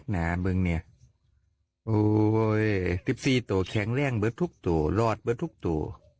เนี่ย๑๔ตัวแข็งแรงเบื้อทุกตัวลอดเบื้อทุกตัว